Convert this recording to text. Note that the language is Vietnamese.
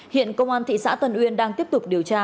hiện công an thị xã tân uyên đang tiếp tục điều tra